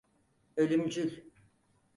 Ölümcül.